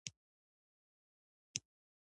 مس فرګوسن وویل: سمه ده، فکر کوم ښه به وي.